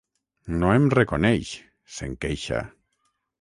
No em reconeix —se'n queixa.